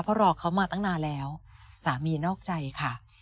เพราะรอเขามาตั้งนานแล้วสามีนอกใจค่ะ